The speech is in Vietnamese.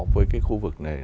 với cái khu vực này